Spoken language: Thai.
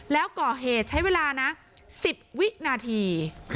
แล้วก่อเหตุใช้เวลานะ๑๐วินาที